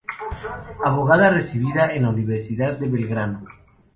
Abogada recibida en la Universidad de Belgrano.